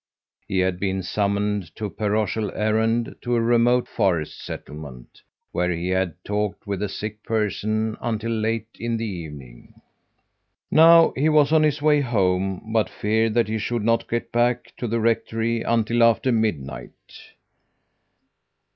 He had been summoned on a parochial errand to a remote forest settlement, where he had talked with a sick person until late in the evening. Now he was on his way home, but feared that he should not get back to the rectory until after midnight.